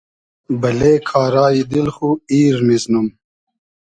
بئلې کارای دیل خو ایر میزنوم